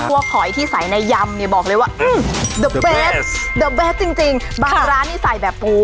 พวกหอยที่ใส่ในยำเนี้ยบอกเลยว่าอื้มจริงจริงบางร้านนี่ใส่แบบ